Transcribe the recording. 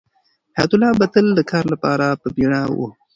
حیات الله به تل د کار لپاره په بیړه و.